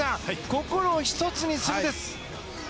心を一つにするんです。